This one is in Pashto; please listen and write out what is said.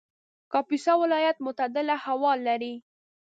کاپیسا ولایت معتدله هوا لري